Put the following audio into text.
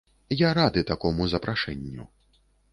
Я рады такому запрашэнню.